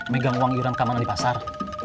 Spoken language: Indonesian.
megang uang irang kamaran di pasar